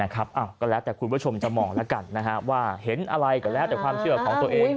ก็แล้วแต่คุณผู้ชมจะมองแล้วกันว่าเห็นอะไรก็แล้วแต่ความเชื่อของตัวเอง